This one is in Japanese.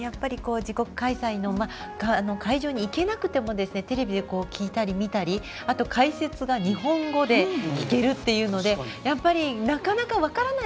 自国開催の会場に行けなくてもテレビで聞いたり見たりあと解説は日本語で聞けるっていうのでやっぱりなかなか分からない